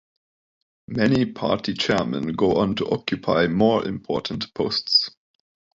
Many party chairmen go on to occupy more important posts.